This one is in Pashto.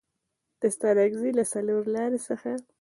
د ستانکزي له څلورلارې څخه